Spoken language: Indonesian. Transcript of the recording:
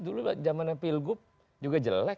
dulu lah jamannya pilgub juga jelek